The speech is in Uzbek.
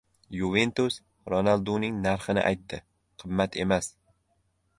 "Yuventus" Ronalduning narxini aytdi. Qimmat emas